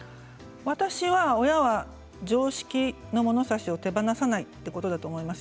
私は、親は常識の物差しを手放さないということです。